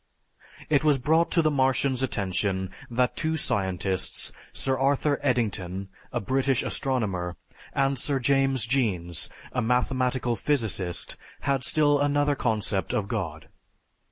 It was brought to the Martian's attention that two scientists, Sir Arthur Eddington, a British astronomer, and Sir James Jeans, a mathematical physicist, had still another concept of God.